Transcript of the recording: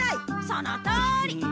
そのとおり！